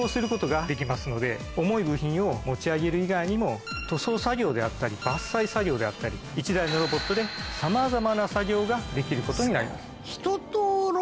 重い部品を持ち上げる以外にも塗装作業であったり伐採作業であったり１台のロボットでさまざまな作業ができることになります。